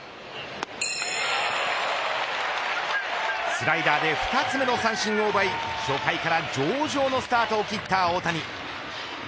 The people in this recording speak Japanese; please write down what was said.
スライダーで２つ目の三振を奪い初回から上々のスタートを切った大谷。